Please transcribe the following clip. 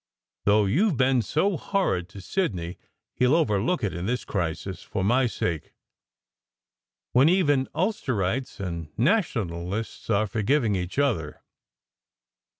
Though you ve been so horrid to Sidney, he ll overlook it in this crisis, for my sake, when even Ulsterites and Nation alists are forgiving each other.